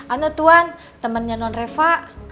ano tuhan temennya non reva